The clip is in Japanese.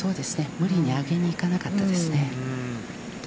無理に上げにいかなかったですね。